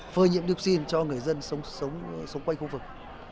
phơi nhiễm dioxin cho người dân sống quanh khu vực